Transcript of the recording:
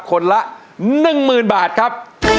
คนละหนึ่งหมื่นบาทครับ